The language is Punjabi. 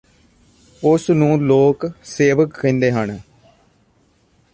ਉਸ ਨੂੰ ਲੋਕ ਸੇਵਕ ਕਹਿੰਦੇ ਹਨ